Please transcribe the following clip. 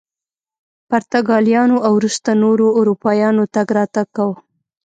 پرتګالیانو او وروسته نورو اروپایانو تګ راتګ کاوه.